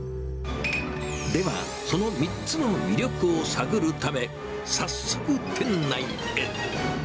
では、その３つの魅力を探るため、早速店内へ。